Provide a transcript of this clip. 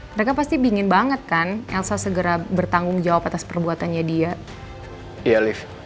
mereka pasti ingin banget kan elsa segera bertanggung jawab atas perbuatannya dia lift